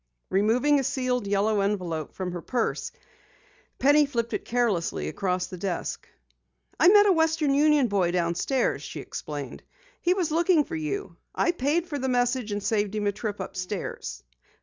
Removing a sealed yellow envelope from her purse, Penny flipped it carelessly across the desk. "I met a Western Union boy downstairs," she explained. "He was looking for you. I paid for the message and saved him a trip upstairs.